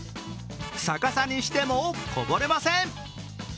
逆さにしてもこぼれません。